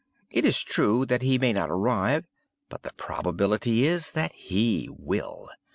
It is true that he may not arrive; but the probability is that he will.